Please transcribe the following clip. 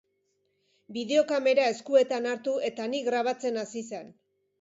Bideokamera eskuetan hartu eta ni grabatzen hasi zen.